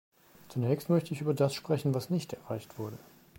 Zunächst möchte ich über das sprechen, was nicht erreicht wurde.